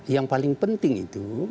yang paling penting itu